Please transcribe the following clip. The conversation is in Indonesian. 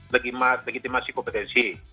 jadi legitimasi kompetensi